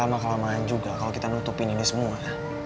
lama kelamaan juga kalau kita nutupin ini semua